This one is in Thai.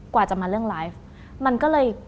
กว่าจะมาเรื่องไลฟ์มันก็เลย